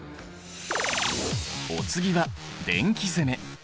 お次は電気攻め。